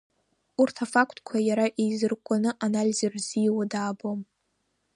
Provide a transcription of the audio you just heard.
Урҭ афактқәа иара еизыркәкәаны анализ рзиуа даабом.